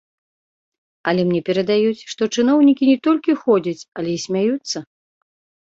Але мне перадаюць, што чыноўнікі не толькі ходзяць, але і смяюцца.